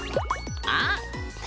あっ！